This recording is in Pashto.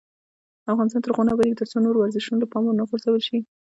افغانستان تر هغو نه ابادیږي، ترڅو نور ورزشونه له پامه ونه غورځول شي.